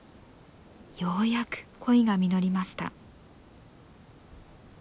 ようやく恋が実りました。